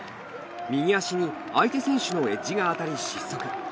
右足に相手選手のエッジが当たり失速。